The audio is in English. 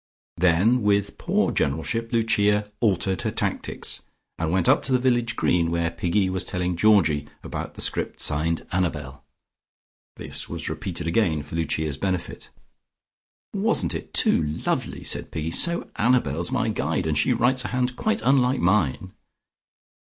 Then with poor generalship, Lucia altered her tactics, and went up to the Village Green where Piggy was telling Georgie about the script signed Annabel. This was repeated again for Lucia's benefit. "Wasn't it too lovely?" said Piggy. "So Annabel's my guide, and she writes a hand quite unlike mine."